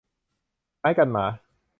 ไม้กันหมา